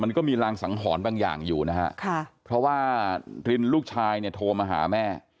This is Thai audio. มันก็มีรางสังหรณ์บางอย่างอยู่นะฮะค่ะเพราะว่ารินลูกชายเนี่ยโทรมาหาแม่